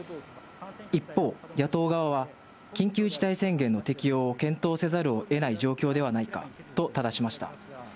一方、野党側は、緊急事態宣言の適用を検討せざるをえない状況ではないかとただしました。